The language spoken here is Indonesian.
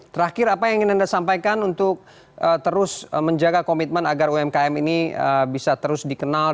terakhir apa yang ingin anda sampaikan untuk terus menjaga komitmen agar umkm ini bisa terus dikenal